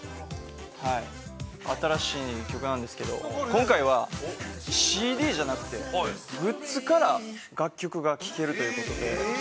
新しい曲なんですけど、今回は、ＣＤじゃなくて、グッズから、楽曲が聞けるということで。